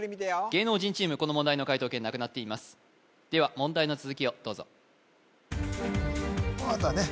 芸能人チームこの問題の解答権なくなっていますでは問題の続きをどうぞこのあとはね